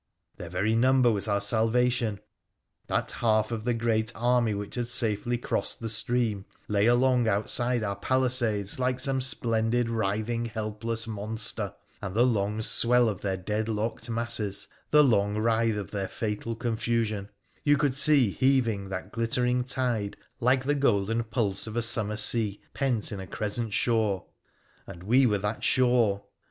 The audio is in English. Their very number was our salvation. That half of the great army which had PHRA THE PH&NICIAN 2oS saf? Jy crossed the stream lay along outside our palisades like some splendid, writhing, helpless monster, and the long swell of their dead locked masses, the long writhe of their fatal confusion, you could see heaving that glittering tide like the golden pulse of a summer sea pent in a crescent shore. And we were that shore